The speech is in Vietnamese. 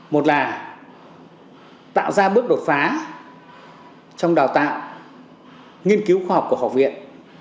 một là tạo ra bước đột phá trong đào tạo nghiên cứu khoa học của học viện